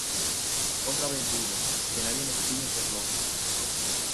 Otra vez digo: Que nadie me estime ser loco;